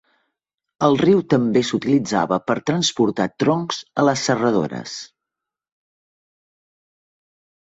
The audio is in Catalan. El riu també s'utilitzava per transportar troncs a les serradores.